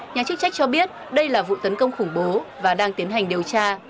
nhà chức trách cho biết đây là vụ tấn công khủng bố và đang tiến hành điều tra